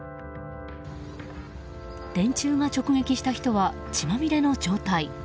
電柱が直撃した人は血まみれの状態。